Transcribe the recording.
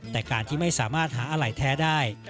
แต่การที่ไม่สามารถหาอะไรแท้ได้